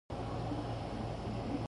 The map engendered controversy.